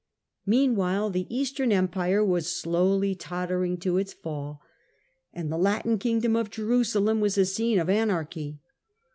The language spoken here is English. Meanwhile the Eastern Empire was slowly tottering to its fall, and the Latin kingdom of Jerusalem was a scene of anarchy.